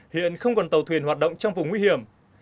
hiện không còn tàu thuyền hoạt động trong vùng nguy hiểm